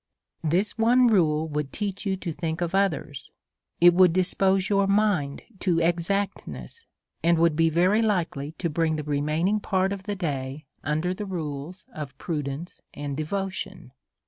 This one rule would teach you to think of others ; it would dispose your mind to exactness, and be very likely to bring the remaining part of the day under rules of prudence and devotion.